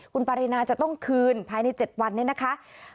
คุณปารีนาจะต้องคืนภายใน๗วันนี้นะคะ